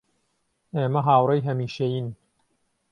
ئێمە هاوڕێی هەمیشەیین